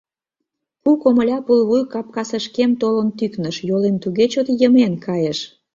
Пу комыля пулвуй капкасышкем толын тӱкныш, йолем туге чот йымен кайыш.